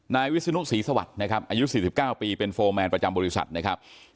นายวิศนุศรีสวัสดิ์นะครับอายุ๔๙ปีเป็นโฟร์แมนประจำบริษัทนะครับ